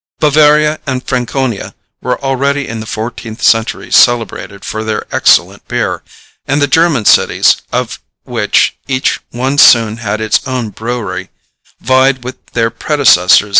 Bavaria and Franconia were already in the fourteenth century celebrated for their excellent beer, and the German cities, of which each one soon had its own brewery, vied with their predecessors.